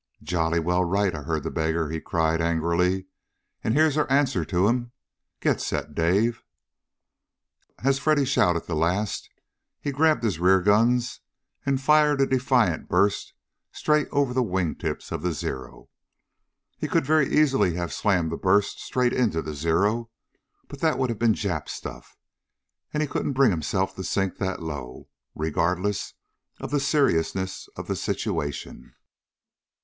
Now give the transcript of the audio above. "Jolly well right, I heard the beggar!" he cried angrily. "And here's our answer to him. Get set, Dave!" As Freddy shouted the last he grabbed his rear guns and fired a defiant burst straight over the wings of the Zero. He could very easily have slammed that burst straight into the Zero, but that would have been Jap stuff, and he couldn't bring himself to sink that low, regardless of the seriousness of the situation.